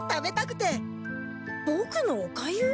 ボクのおかゆ？